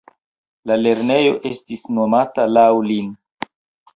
La lernejo estis nomita laŭ lin.